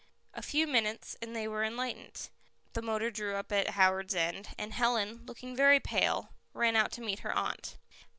A few minutes, and they were enlightened. The motor drew up at Howards End, and Helen, looking very pale, ran out to meet her aunt.